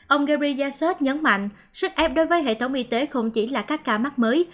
ông gari yassette nhấn mạnh sức ép đối với hệ thống y tế không chỉ là các ca mắc mới